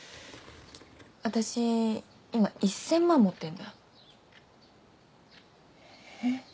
私今１０００万持ってんだえっ？